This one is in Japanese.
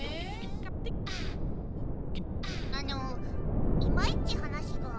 あのいまいち話が。